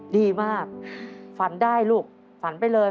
ดีมากฝันได้ลูกฝันไปเลย